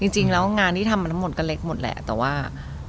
จริงแล้วงานที่ทำมาทั้งหมดก็เล็กหมดแหละแต่ว่า